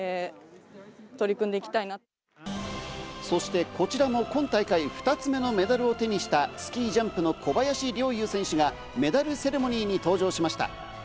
そしてこちらも今大会２つ目のメダルを手にしたスキージャンプの小林陵侑選手がメダルセレモニーに登場しました。